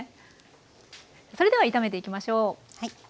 それでは炒めていきましょう。